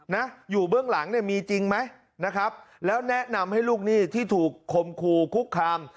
นะอยู่เบื้องหลังเนี่ยมีจริงไหมนะครับแล้วแนะนำให้ลูกหนี้ที่ถูกคมคู่คุกคาม